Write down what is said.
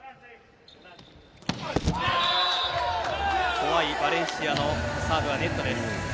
怖いバレンシアのサーブはネットです。